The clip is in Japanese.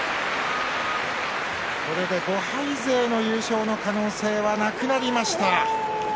これで５敗勢の優勝の可能性はなくなりました。